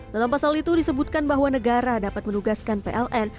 dalam pasal itu disebutkan bahwa negara dapat menugaskan pln